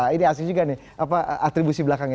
ini asli juga nih atribusi belakangnya